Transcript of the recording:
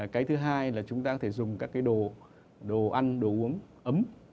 cái thứ hai là chúng ta có thể dùng các cái đồ đồ ăn đồ uống ấm